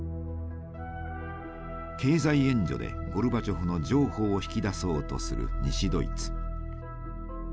経済援助でゴルバチョフの譲歩を引き出そうとする西ドイツ。